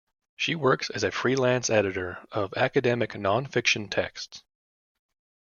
She works as a freelance editor of academic non-fiction texts.